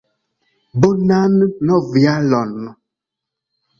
Bonan Novjaron!